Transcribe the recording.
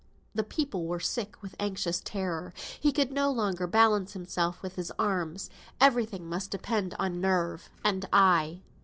The people were sick with anxious terror. He could no longer balance himself with his arms; every thing must depend on nerve and eye.